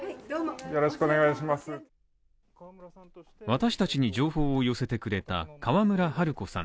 私達に情報を寄せてくれた河村晴子さん。